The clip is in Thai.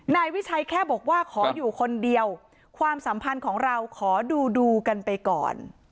นายวิชัยแค่บอกว่าขออยู่คนเดียวความสัมพันธ์ของเราขอดูดูกันไปก่อน